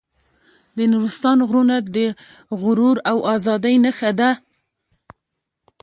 د نورستان غرونه د غرور او ازادۍ نښه ده.